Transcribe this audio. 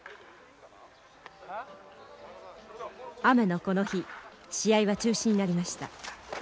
雨のこの日試合は中止になりました。